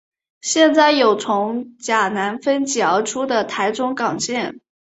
现在有从甲南分歧而出的台中港线。